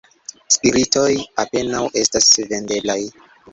Spiritoj apenaŭ estas vendeblaj.